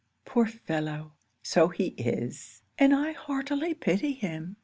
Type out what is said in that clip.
poor fellow; so he is, and I heartily pity him.'